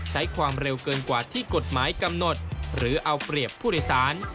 ใช้ความเร็วเกินกว่าที่กฎหมายกำหนดหรือเอาเปรียบผู้โดยสาร